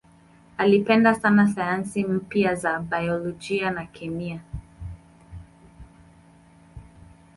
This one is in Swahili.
Alipenda sana sayansi mpya za biolojia na kemia.